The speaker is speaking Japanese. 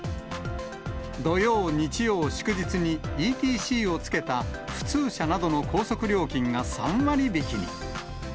土曜、日曜、祝日にＥＴＣをつけた普通車などの高速料金が３割引きに。